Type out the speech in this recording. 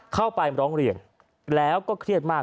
เข้าไปร้องเรียนแล้วก็เครียดมาก